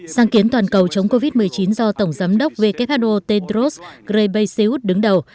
sáng kiến toàn cầu chống covid một mươi chín do tổng giám đốc who tedros ghebreyesus đứng đầu